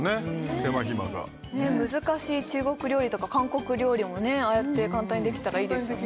手間暇が難しい中国料理とか韓国料理もああやって簡単にできたらいいですよね